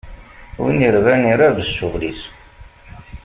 Win irban irab ccɣel-is.